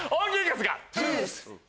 トゥース。